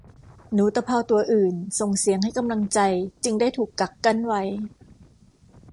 หนูตะเภาตัวอื่นส่งเสียงให้กำลังใจจึงได้ถูกกักกั้นไว้